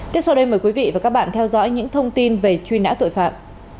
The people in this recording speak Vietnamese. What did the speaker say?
tiếp sau đây mời quý vị và các bạn theo dõi những thông tin về truy nã tội phạm